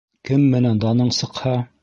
Кем менән даның сыҡһа